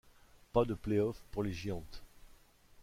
Pas de playoff pour les Giants.